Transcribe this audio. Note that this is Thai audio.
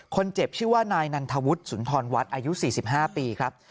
คนเจ็บชื่อว่านายนันทวุฒิสุนทรวัฒน์อายุ๔๕ปีครับ